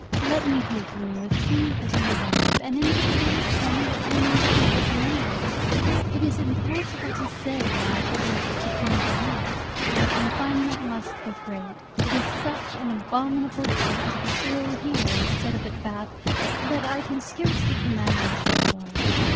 Let me hear from you as soon as you arrive, and in particular tell me what you mean to do with Mainwaring. It is impossible to say when I shall be able to come to you; my confinement must be great. It is such an abominable trick to be ill here instead of at Bath that I can scarcely command myself at all.